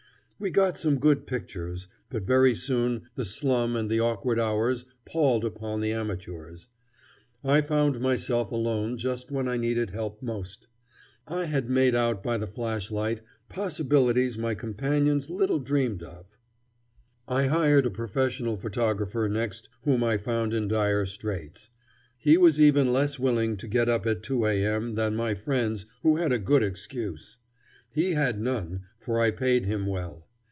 We got some good pictures; but very soon the slum and the awkward hours palled upon the amateurs. I found myself alone just when I needed help most. I had made out by the flashlight possibilities my companions little dreamed of. [Illustration: "The tenants bolted through the windows"] I hired a professional photographer next whom I found in dire straits. He was even less willing to get up at 2 A.M. than my friends who had a good excuse. He had none, for I paid him well.